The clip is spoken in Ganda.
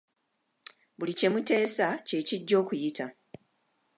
Buli kye muteesa kye kijja okuyita.